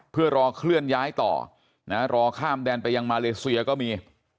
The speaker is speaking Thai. เพื่อรอเคลื่อนย้ายต่อรอข้ามแดนไปยังมาเลเซียก็มี